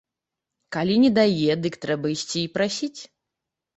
Калі не дае, дык трэба ісці і прасіць.